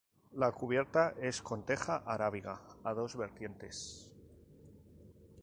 La cubierta es con teja arábiga a dos vertientes.